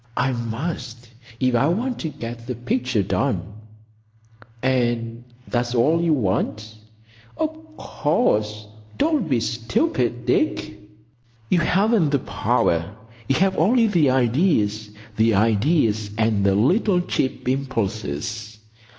"I must, if I want to get the picture done." "And that's all you want?" "Of course. Don't be stupid, Dick." "You haven't the power. You have only the ideas—the ideas and the little cheap impulses.